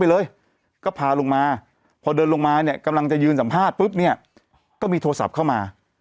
อุ้ยเขาบอกอุ้ยตังโมโทรมา